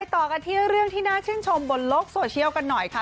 ต่อกันที่เรื่องที่น่าชื่นชมบนโลกโซเชียลกันหน่อยค่ะ